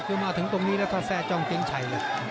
คือมาถึงตรงนี้แล้วก็แทรกจ้องเจ็งไฉ่